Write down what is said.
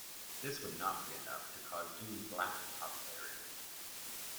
This would not be enough to cause Dewey's lack of popularity.